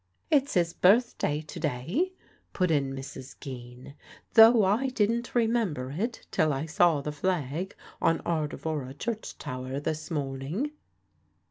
"It's his birthday to day," put in Mrs. Geen; "though I didn't remember it till I saw the flag on Ardevora church tower this morning."